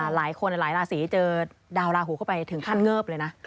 หลายคนหลายราศีเจอดาวลาหูเข้าไปถึงขั้นเงิบเลยนะ